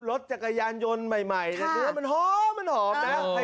รถจักรยานยนต์ใหม่ดูว่ามันหอมนะ